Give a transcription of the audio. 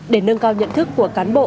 để nâng cao nhận thức của cán bộ